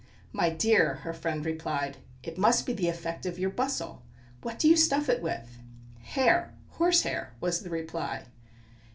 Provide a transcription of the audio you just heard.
"My dear," her friend replied, "it must be the effect of your bustle. What do you stuff it with?" "Hair horse hair," was the reply.